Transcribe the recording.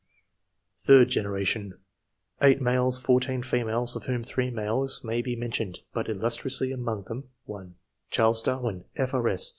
Third generation. — 8 males, 14 females, of whom 3 males may be mentioned ; but illustriously among them — (1) Charles Darwin, F.K.S.